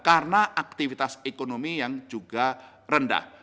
karena aktivitas ekonomi yang juga rendah